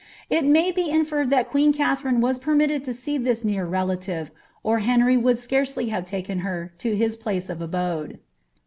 It nuv b inlerreil that queen Kalherine was permitted to see this ttew rebllTc, W Henry would scarcely have taken her lo liis pluce nf abode.